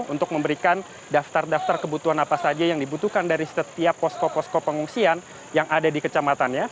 untuk memberikan daftar daftar kebutuhan apa saja yang dibutuhkan dari setiap posko posko pengungsian yang ada di kecamatannya